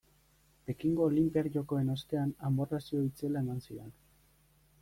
Pekingo olinpiar jokoen ostean amorrazio itzela eman zidan.